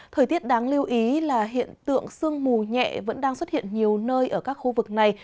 thời tiết đáng lưu ý là hiện tượng sương mù nhẹ vẫn đang xuất hiện nhiều nơi ở các khu vực này